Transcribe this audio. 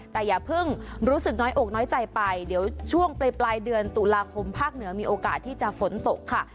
แต่อย่าเพิ่งรู้สึกน้อยอกน้อยใจไปเดี๋ยวช่วงปลายเดือนตุลาคมภาคเหนือมีโอกาสที่จะฝนตกค่ะ